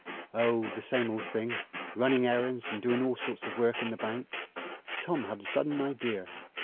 "Oh, the same old thing. Running errands and doing all sorts of work in the bank." Tom had a sudden idea.